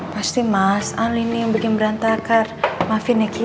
pasti mas alin ini yang bikin berantakan mavin ya ki